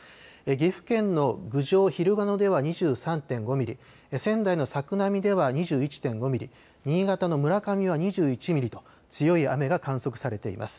岐阜県の郡上市ひるがのでは２３．５ミリ、仙台の作並では２１．５ミリ、新潟の村上は２１ミリと強い雨が観測されています。